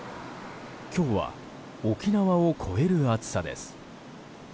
今日は沖縄を超える暑さです。